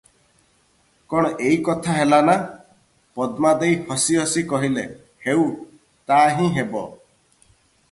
କଣ ଏଇ କଥା ହେଲା ନା?" ପଦ୍ମା ଦେଈ ହସି ହସି କହିଲେ, "ହେଉ ତାହିଁ ହେବ ।"